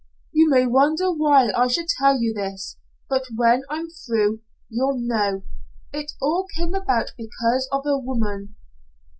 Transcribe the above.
"You may wonder why I should tell you this, but when I'm through, you'll know. It all came about because of a woman."